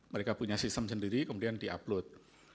mereka punya sistem sendiri kemudian di upload